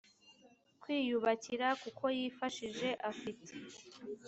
kwiyubakira kuko yifashije afite